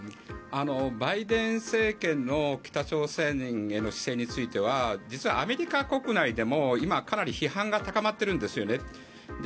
バイデン政権の北朝鮮への姿勢については実はアメリカ国内でも今、かなり批判が高まっているんですよね。